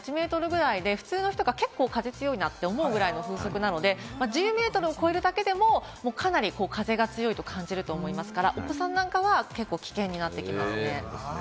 ７メートルとか８メートルぐらいで結構、普通の人が風が強いなと思うぐらいの風速なので、１０メートルを超えるぐらいで、かなり風が強いと感じると思うので、お子さんなんかはかなり危険になってきますね。